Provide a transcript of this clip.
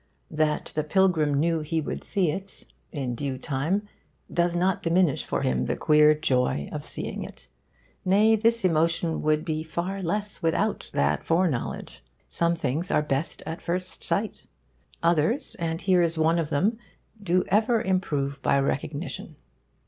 That the pilgrim knew he would see it in due time does not diminish for him the queer joy of seeing it; nay, this emotion would be far less without that foreknowledge. Some things are best at first sight. Others and here is one of them do ever improve by recognition.